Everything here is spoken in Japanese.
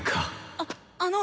あっあの！